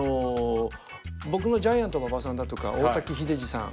僕のジャイアント馬場さんだとか大滝秀治さん